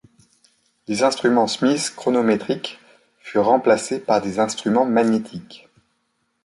Les instruments Smiths Chronometric furent remplacés par des instruments magnétiques.